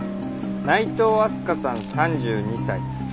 内藤明日香さん３２歳。